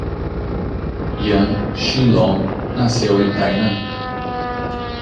Yan Shuilong nasceu em Tainan